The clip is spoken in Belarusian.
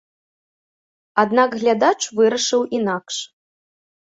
Аднак глядач вырашыў інакш.